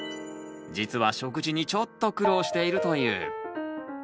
実は食事にちょっと苦労しているという。